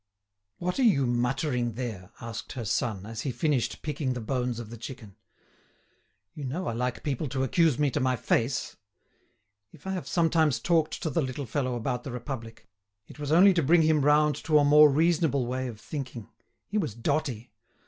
"What are you muttering there?" asked her son, as he finished picking the bones of the chicken. "You know I like people to accuse me to my face. If I have sometimes talked to the little fellow about the Republic, it was only to bring him round to a more reasonable way of thinking. He was dotty.